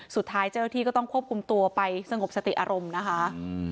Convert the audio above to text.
เจ้าหน้าที่ก็ต้องควบคุมตัวไปสงบสติอารมณ์นะคะ